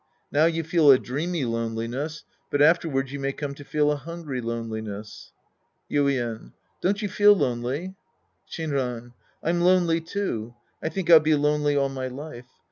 Now you feel a dreamy loneliness, but afterwards you may come to feel a hungry loneliness. Yuien. Don't you feel lonely ? Shinran. I'm lonely, too. I think I'll be lonely all my life.